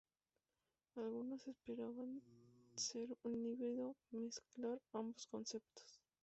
Algunos esperaban ser un híbrido, mezclar ambos conceptos.